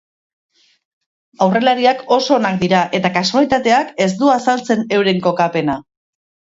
Aurrelariak oso onak dira eta kasualitateak ez du azaltzen euren kokapena.